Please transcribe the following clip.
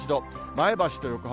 前橋と横浜